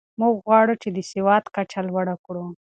موږ غواړو چې د سواد کچه لوړه کړو.